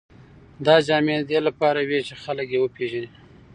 دا جامې د دې لپاره وې چې خلک یې وپېژني.